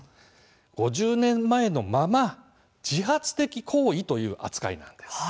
５０年前のまま自発的行為という扱いなんです。